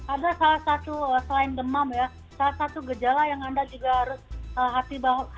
ada salah satu selain demam ya salah satu gejala yang anda juga harus hati hati bahwa